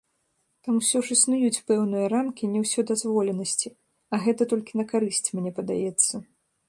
Тут усё ж існуюць пэўныя рамкі неўсёдазволенасці, а гэта толькі на карысць, мне падаецца.